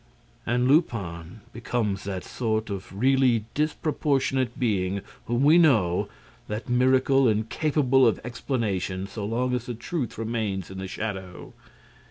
And Lupin becomes that sort of really disproportionate being whom we know, that miracle incapable of explanation so long as the truth remains in the shadow.